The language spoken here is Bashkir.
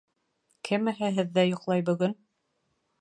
Кемеһе һеҙҙә йоҡлай бөгөн?